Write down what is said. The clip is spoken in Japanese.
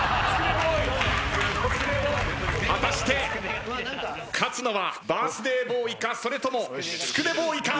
果たして勝つのはバースデーボーイかそれともつくねボーイか。